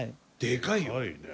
でかいね。